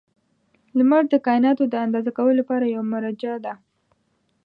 • لمر د کایناتو د اندازه کولو لپاره یوه مرجع ده.